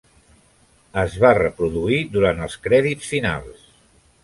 Es va reproduir durant els crèdits finals.